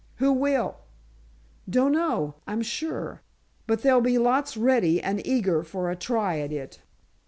"Who will?" "Dunno, I'm sure. But there'll be lots ready and eager for a try at it."